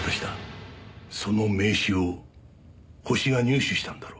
その名刺をホシが入手したのだろう。